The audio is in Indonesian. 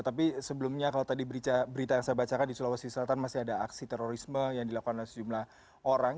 tapi sebelumnya kalau tadi berita yang saya bacakan di sulawesi selatan masih ada aksi terorisme yang dilakukan oleh sejumlah orang